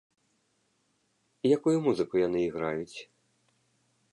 Якую музыку яны іграюць?